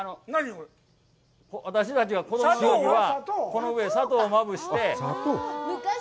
私たちが子供のときは、この上に砂糖をまぶして。